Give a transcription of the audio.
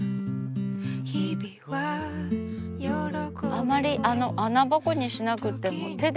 あまり穴ぼこにしなくても手で。